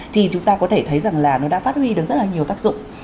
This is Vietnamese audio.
thì chúng ta có thể thấy rằng là nó đã phát huy được rất là nhiều tác dụng